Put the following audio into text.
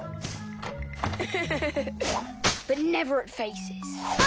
フフフフハ！